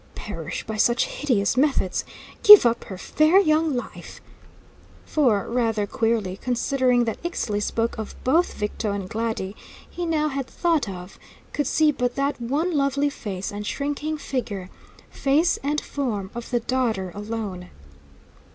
Perish by such hideous methods? Give up her fair young life For, rather queerly, considering that Ixtli spoke of both Victo and Glady, he now had thought of could see but that one lovely face and shrinking figure, face and form of the daughter alone.